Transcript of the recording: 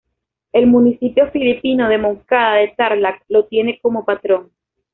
El municipio filipino de Moncada de Tarlac lo tiene como patrón.